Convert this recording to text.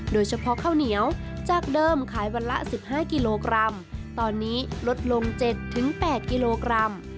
โดยเฉพาะข้าวเหนียวจากเดิมขายวันละ๑๕กิโลกรัมตอนนี้ลดลง๗๘กิโลกรัม